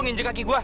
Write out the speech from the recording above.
ngejek kaki gua hah